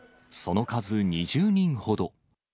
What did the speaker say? その数２０人ほど。